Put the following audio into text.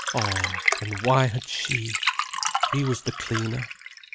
Oh, and why had she? He was the cleaner.